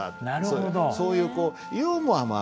そういうユーモアもある訳ですよ。